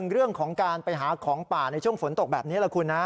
เรื่องของการไปหาของป่าในช่วงฝนตกแบบนี้แหละคุณนะ